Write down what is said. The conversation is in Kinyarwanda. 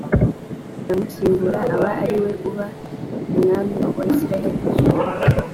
aramusimbura aba ari we uba umwami wa isirayeli